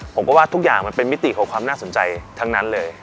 ผมก็ว่าทุกอย่างมันเป็นมิติของความน่าสนใจทั้งนั้นเลย